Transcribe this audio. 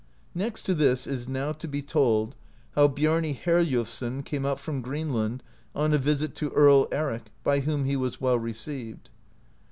Next to this is now to be told how Biarni Heriulfsson came out from Greenland on a visit to Earl Eric, by whom he was well received.